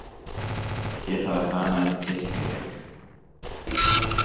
Esasanam ses gerek.